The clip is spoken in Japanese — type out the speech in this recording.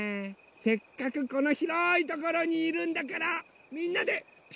せっかくこのひろいところにいるんだからみんなで「ピカピカブ！」やらない？